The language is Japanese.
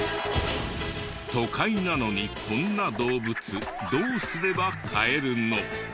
都会なのにこんな動物どうすれば飼えるの？